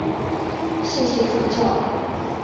谢谢助教